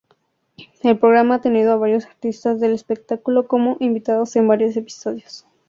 El programa ha tenido a varios artistas del espectáculo como invitados en varios episodios.